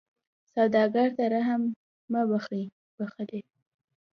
سوالګر ته رحم مه بخلئ